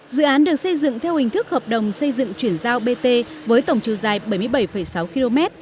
dự án được xây dựng theo hình thức hợp đồng xây dựng chuyển giao bt với tổng chiều dài bảy mươi bảy sáu km